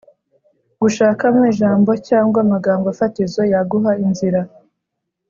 Gushakamo ijambo cyangwa amagambo fatizo yaguha inzira